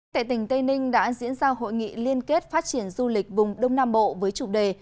tại tỉnh tây ninh đã diễn ra hội nghị liên kết phát triển du lịch vùng đông nam bộ với chủ đề